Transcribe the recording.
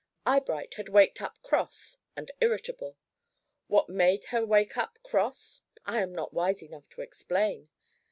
Eyebright had waked up cross and irritable. What made her wake up cross I am not wise enough to explain.